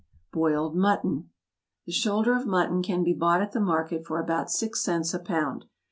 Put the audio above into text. =Boiled Mutton.= The shoulder of mutton can be bought at the market for about six cents a pound.